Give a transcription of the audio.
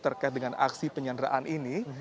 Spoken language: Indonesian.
terkait dengan aksi penyanderaan ini